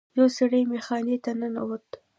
یو سړی میخانې ته ننوت.